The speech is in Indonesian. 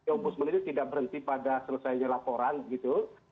ombudsman itu tidak berhenti pada selesainya laporan gitu